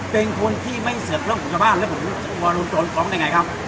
เป็นคนที่ไม่เสิร์ฟเรื่องของชาวบ้านแล้วผมมาโดนโจรฟ้องได้ไงครับ